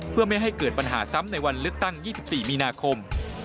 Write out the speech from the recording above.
เพื่อไม่ให้เกิดปัญหาซ้ำในวันเลือกตั้ง๒๔มีนาคม